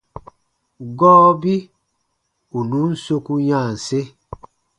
Gɔɔbi ù nùn soku yanse.